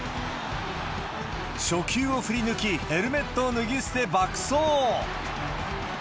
初球を振り抜き、ヘルメットを脱ぎ捨て爆走。